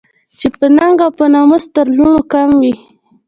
چې په ننګ او په ناموس تر لوڼو کم وي